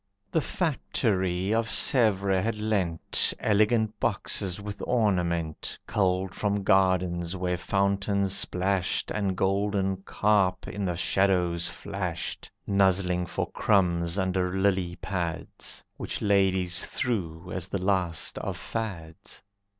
The factory of Sevres had lent Elegant boxes with ornament Culled from gardens where fountains splashed And golden carp in the shadows flashed, Nuzzling for crumbs under lily pads, Which ladies threw as the last of fads.